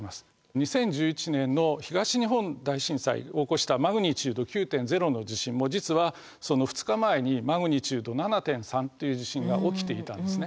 ２０１１年の東日本大震災を起こしたＭ９．０の地震も実はその２日前にＭ７．３という地震が起きていたんですね。